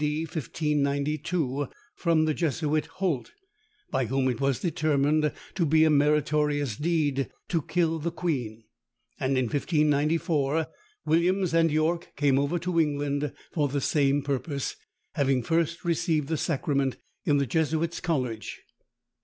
D. 1592, from the Jesuit Holt, by whom it was determined to be a meritorious deed to kill the queen; and in 1594, Williams and York came over to England for the same purpose, having first received the sacrament in the Jesuits' college.